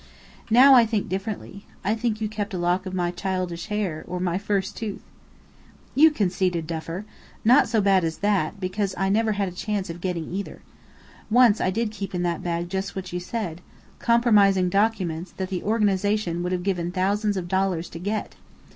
Now I think differently. I think you kept a lock of my childish hair, or my first tooth." "You conceited Duffer! not so bad as that, because I had never a chance of getting either. Once I did keep in that bag just what you said: compromising documents, that the organization would have given thousands of dollars to get.